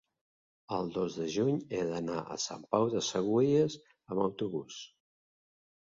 el dos de juny he d'anar a Sant Pau de Segúries amb autobús.